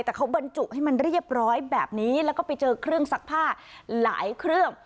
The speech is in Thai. แต่เขาบรรจุให้มันเรียบร้อยแบบนี้แล้วก็ไปเจอเครื่องซักผ้าหลายเครื่อง